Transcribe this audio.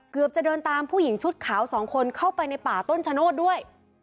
จะเดินตามผู้หญิงชุดขาวสองคนเข้าไปในป่าต้นชะโนธด้วย